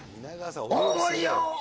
大盛りよ！